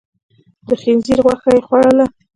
د خنزير غوښه يې خوړله؟